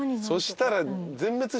そしたら。